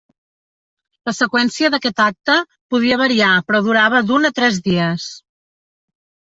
La seqüència d'aquest acte podia variar però durava d'un a tres dies.